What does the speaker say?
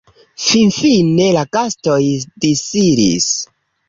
Finfine la gastoj disiris.